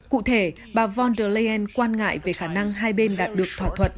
cụ thể bà von der leyen quan ngại về khả năng hai bên đạt được thỏa thuận